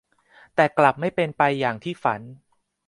แต่กลับไม่เป็นไปอย่างที่ฝัน